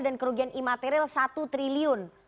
dan kerugian imateril satu triliun